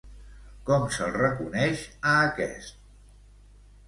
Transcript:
Com se'l reconeix a aquest?